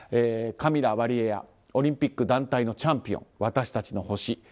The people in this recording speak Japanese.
カミラ・ワリエワオリンピック団体のチャンピオン私たちの星。